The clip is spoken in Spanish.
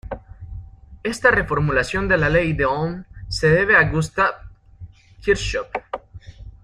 Esta reformulación de la ley de Ohm se debe a Gustav Kirchhoff.